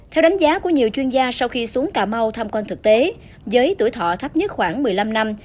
theo đánh giá của nhiều chuyên gia sau khi xuống cà mau tham quan thực tế với tuổi thọ thấp nhất khoảng một mươi năm năm